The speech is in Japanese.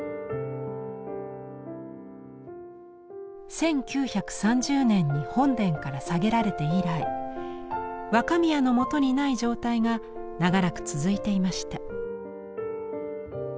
１９３０年に本殿から下げられて以来若宮のもとにない状態が長らく続いていました。